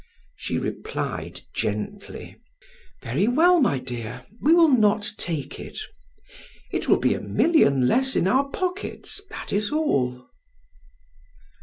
She replied gently: "Very well, my dear, we will not take it; it will be a million less in our pockets, that is all."